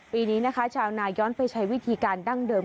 ปีนี้นะคะชาวนาย้อนไปใช้วิธีการดั้งเดิม